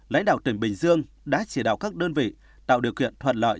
lãnh đạo tỉnh bình dương đã chỉ đạo các đơn vị tạo điều kiện thuận lợi